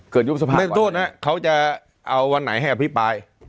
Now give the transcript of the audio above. เป็ดโทษนะเขาจะเอาวันไหนให้อภิปราย